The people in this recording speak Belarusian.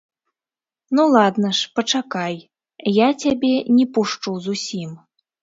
Ну ладна ж, пачакай, я цябе не пушчу зусім.